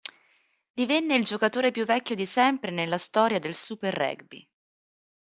Divenne il giocatore più vecchio di sempre nella storia del Super Rugby.